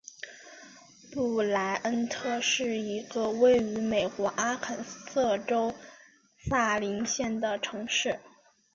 布赖恩特是一个位于美国阿肯色州萨林县的城市。